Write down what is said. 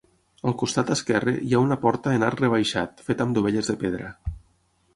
Al costat esquerre hi ha una porta en arc rebaixat, fet amb dovelles de pedra.